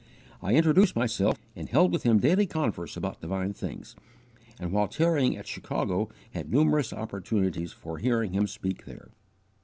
I introduced myself, and held with him daily converse about divine things, and, while tarrying at Chicago, had numerous opportunities for hearing him speak there.